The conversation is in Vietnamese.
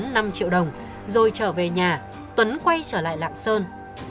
thưa trả cho tuấn năm triệu đồng rồi trở về nhà tuấn quay trở lại lạng sơn